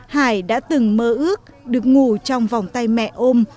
hải đã từng mơ ước được ngủ trong vòng tay mẹ ôm